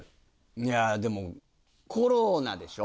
いやでもコロナでしょ？